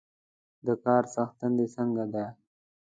د کار څښتن د څنګه ده؟